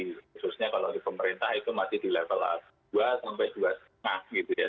khususnya kalau di pemerintah itu masih di level dua sampai dua lima gitu ya